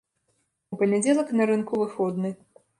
У панядзелак на рынку выходны.